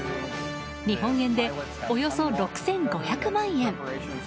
日本円でおよそ６５００万円。